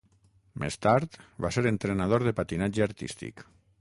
Més tard va ser entrenador de patinatge artístic.